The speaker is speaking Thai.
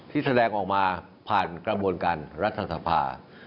ที่แสดงออกมาผ่านกระบวนการรัฐศาสตร์ภาพ